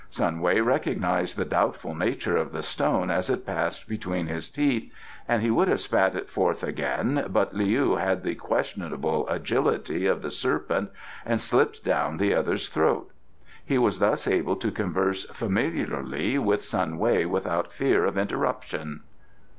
Sun Wei recognized the doubtful nature of the stone as it passed between his teeth, and he would have spat it forth again, but Leou had the questionable agility of the serpent and slipped down the other's throat. He was thus able to converse familiarly with Sun Wei without fear of interruption.